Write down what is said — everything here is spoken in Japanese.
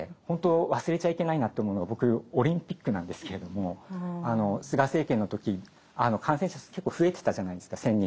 ほんと忘れちゃいけないなと思うのが僕オリンピックなんですけれどもあの菅政権の時感染者数結構増えてたじゃないですか。